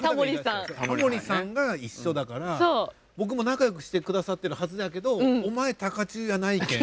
タモリさんが一緒だから僕も仲よくしてくださってるはずやけどお前高中やないけん。